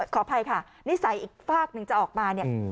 ขออภัยค่ะนิสัยอีกฝากหนึ่งจะออกมาเนี่ย